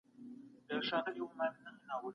تعليم د چلند بدلون راولي.